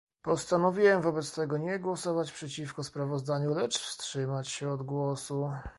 Postanowiłem wobec tego nie głosować przeciwko sprawozdaniu, lecz wstrzymać się od głosu